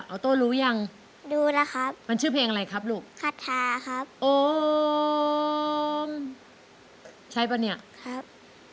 โต้รู้ยังรู้แล้วครับมันชื่อเพลงอะไรครับลูกคาทาครับโอ้มใช่ป่ะเนี่ยครับ